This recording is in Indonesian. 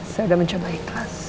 saya udah mencoba ikhlas